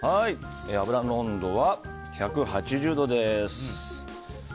油の温度は１８０度です。